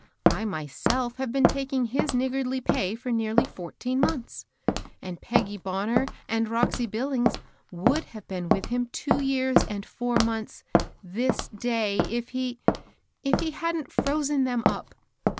I myself have been taking his niggardly pay for nearly fourteen mcmths ; and Peggy Bonner and Roxy Billings would have been with him two years and four months this day^ if he— if he hadn't frozen them up